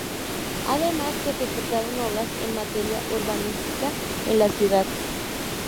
Además, se ejecutaron obras en materia urbanística en la ciudad.